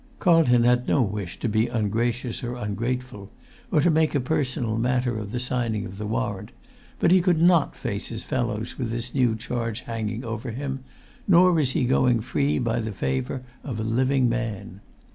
Carlton had no wish to be ungracious or ungrateful, or to make a personal matter of the signing of the warrant; but he could not face his fellows with this new charge hanging over him, nor was he going free by the favour of living man.